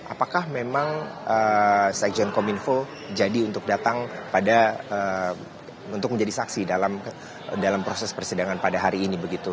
apakah memang sekjen kominfo jadi untuk datang untuk menjadi saksi dalam proses persidangan pada hari ini begitu